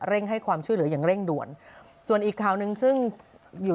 ให้ความช่วยเหลืออย่างเร่งด่วนส่วนอีกข่าวหนึ่งซึ่งอยู่